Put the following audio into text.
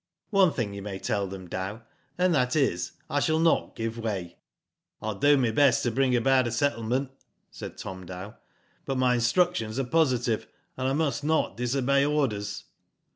One thing you may tell them, Dow, and that is, I shall not give way.*' '*ril do my best to bring about a settlement," said Tom Dow, but my instructions are positive, and I must not disobey orders."